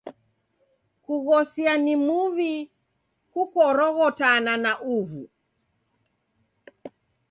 Kughosia ni muw'i kukoroghotana na uvu.